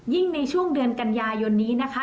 ในช่วงเดือนกันยายนนี้นะคะ